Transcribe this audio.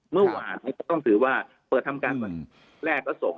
เมื่อวานก็ต้องถือว่าเปิดทำการวันแรกแล้วส่ง